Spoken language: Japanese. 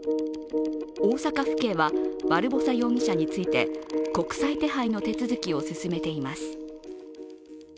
大阪府警はバルボサ容疑者について国際手配の手続きを進めています。